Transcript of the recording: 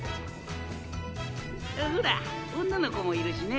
ほら女の子もいるしね。